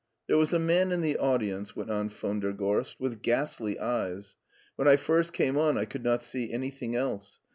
''" There was a man in the audience," went on von der Gorst, " with ghastly eyes. When I first came on I could not see anything else.